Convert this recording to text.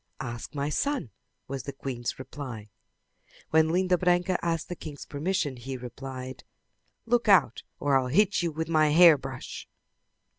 "Ask my son," was the queen's reply. When Linda Branca asked the king's permission, he replied: "Look out or I'll hit you with my hairbrush."